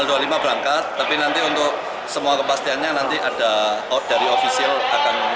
tanggal dua puluh lima berangkat tapi nanti untuk semua kepastiannya nanti ada dari ofisial akan